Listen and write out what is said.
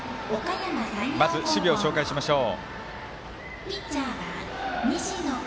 まず守備を紹介しましょう。